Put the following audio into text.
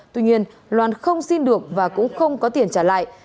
tuy nhiên loan không xin được và cũng không có tiền trả lại